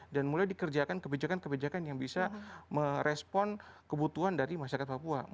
dan mulai dikerjakan kebijakan kebijakan yang bisa merespon kebutuhan dari masyarakat papua